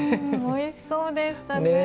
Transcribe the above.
おいしそうでしたね。